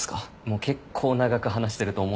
もう結構長く話してると思う。